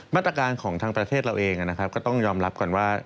มาตรการของทางประเทศเราเองนะครับก็ต้องยอมรับก่อนว่า